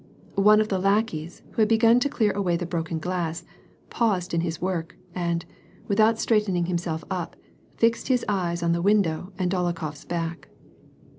One of the lackeys, who had begun to clear away the broken glass, paused in his work, and, without straightening himself up, fixed his eyes on the window and DolokhoFs back.